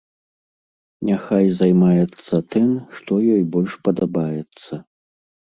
Няхай займаецца тым, што ёй больш падабаецца.